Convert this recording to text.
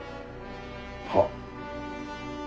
はっ。